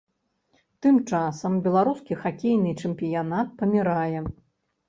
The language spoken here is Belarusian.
Тым часам, беларускі хакейны чэмпіянат памірае.